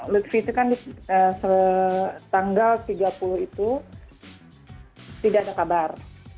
lutfi itu kan tanggal tiga puluh itu tidak ada kabar